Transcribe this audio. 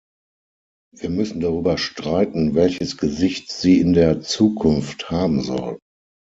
Wir müssen darüber streiten, welches Gesicht sie in der Zukunft haben soll.